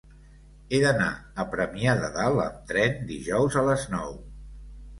He d'anar a Premià de Dalt amb tren dijous a les nou.